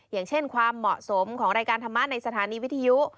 อย่างเช่นความเหมาะสมของรายการธรรมะในสถานีวิทยุ